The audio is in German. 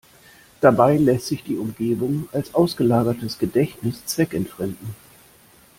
Dabei lässt sich die Umgebung als ausgelagertes Gedächtnis zweckentfremden.